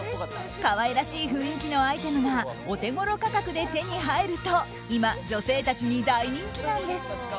可愛らしい雰囲気のアイテムがお手ごろ価格で手に入ると今、女性たちに大人気なんです。